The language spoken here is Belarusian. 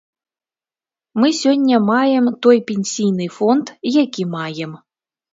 Мы сёння маем той пенсійны фонд, які маем.